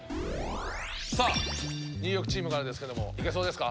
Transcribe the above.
ニューヨークチームからですけどいけそうですか？